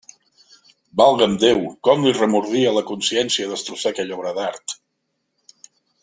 Valga'm Déu, com li remordia la consciència destrossar aquella obra d'art!